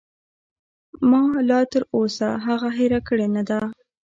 ما لاتر اوسه هغه هېره کړې نه ده.